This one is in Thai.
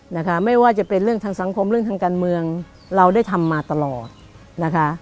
นะคะไม่ว่าจะเป็นเรื่องทางสังคมเรื่องทางการเมืองเราได้ทำมาตลอดนะคะ